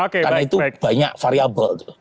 karena itu banyak variable